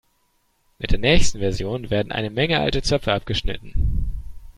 Mit der nächsten Version werden eine Menge alte Zöpfe abgeschnitten.